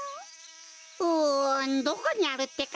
うんどこにあるってか？